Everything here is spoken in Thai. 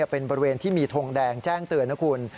เป็นบริเวณที่มีทงแดงแจ้งเตือนนะคุณ